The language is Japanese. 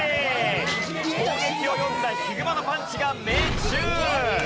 攻撃を読んだヒグマのパンチが命中！